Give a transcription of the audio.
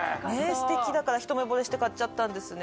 ステキだから一目ぼれして買っちゃったんですね。